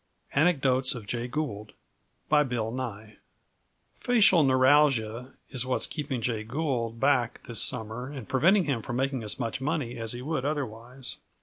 Anecdotes of Jay Gould Facial Neuralgia is what is keeping Jay Gould back this summer and preventing him from making as much money as he would otherwise.